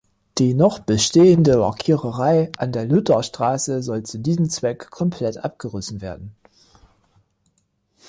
Die noch bestehende Lackiererei an der Lutherstraße soll zu diesem Zweck komplett abgerissen werden.